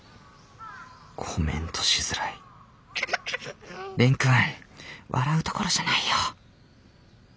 コメントしづらい蓮くん笑うところじゃないよ！